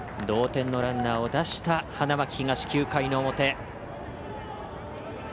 同点のランナーを出した花巻東、９回の表。